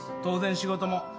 当然仕事も。